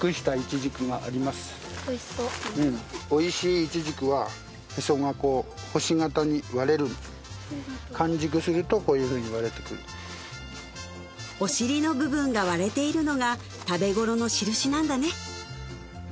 おいしいイチジクは完熟するとこういうふうに割れてくるお尻の部分が割れているのが食べごろの印なんだね